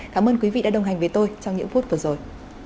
cảm ơn quý vị đã đồng hành với tôi trong những phút vừa rồi